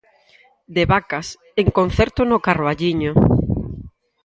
De Vacas, en concerto no Carballiño.